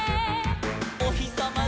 「おひさま